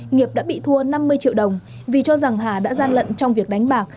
nghiệp đã bị thua năm mươi triệu đồng vì cho rằng hà đã gian lận trong việc đánh bạc